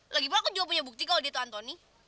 lagipula aku juga punya bukti kalau dia tuh anthony